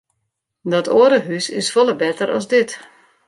Dat oare hús is folle better as dit.